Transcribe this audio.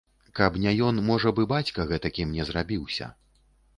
Каб не ён, можа б, і бацька гэтакім не зрабіўся.